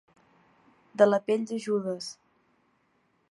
De la pell de Judes.